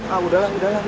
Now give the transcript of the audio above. ah udahlah udahlah